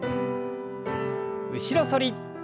後ろ反り。